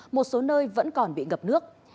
một số nơi vẫn còn bị ngập nước